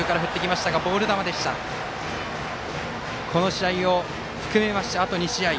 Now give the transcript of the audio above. この試合を含めましてあと２試合。